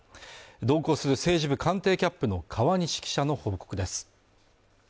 同行する政治部官邸キャップの川西記者の報告です